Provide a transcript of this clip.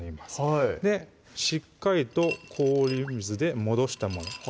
はいしっかりと氷水でもどしたもの